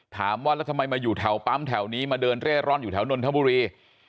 ถามว่าแล้วทำไมมาอยู่แถวปั๊มแถวนี้มาเดินเร่ร่อนอยู่แถวนนทบุรี